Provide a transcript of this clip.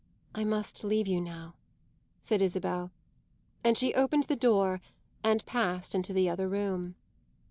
"I must leave you now," said Isabel; and she opened the door and passed into the other room.